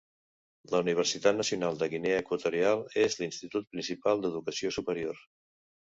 La Universitat Nacional de Guinea Equatorial és l'institut principal d'educació superior.